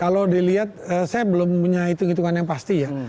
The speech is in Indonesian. kalau dilihat saya belum punya hitung hitungan yang pasti ya